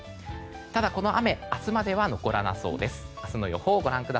ただ、この雨明日までは残らなそうです。